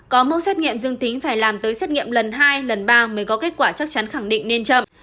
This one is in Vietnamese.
có mẫu xét nghiệm dương tính phải làm tới xét nghiệm lần hai lần ba mới có kết quả chắc chắn khẳng định nên chậm